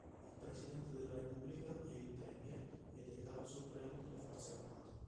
Il Presidente della repubblica è il "premier" ed è capo supremo delle forze armate.